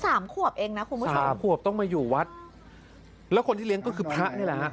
สามขวบเองนะคุณผู้ชมสามขวบต้องมาอยู่วัดแล้วคนที่เลี้ยงก็คือพระนี่แหละฮะ